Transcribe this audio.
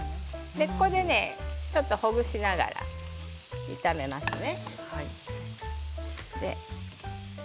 ここでね、ちょっとほぐしながら炒めますね。